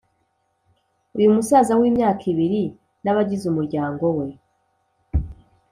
uyu musaza w’imyaka ibiri n’abagize umuryango we